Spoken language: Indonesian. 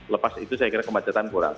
lepas itu saya kira kemacetan kurang